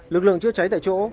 lực lượng chứa cháy tại chỗ